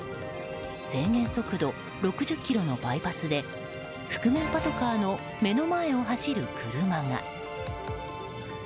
制限速度６０キロのバイパスで覆面パトカーの目の前を走る車が。